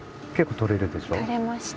取れました。